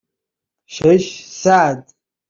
ششصد